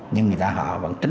nhưng người ta họ vẫn không biết